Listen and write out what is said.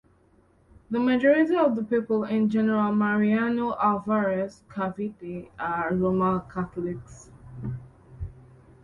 The majority of the people in General Mariano Alvarez, Cavite are Roman Catholics.